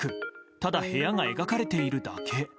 ただ部屋が描かれているだけ。